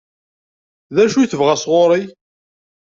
D acu i tebɣa sɣur-i?